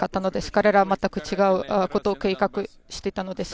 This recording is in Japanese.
彼らは全く違うことを計画していたのです。